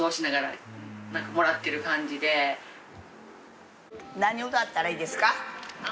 何歌ったらいいですか？